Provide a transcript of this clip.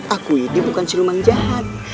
aku ini bukan ciluman jahat